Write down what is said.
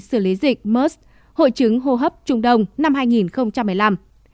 xử lý dịch mers hội chứng hô hấp trung đông năm hai nghìn một mươi năm